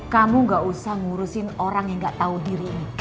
kamu gak usah ngurusin orang yang gak tau diri ini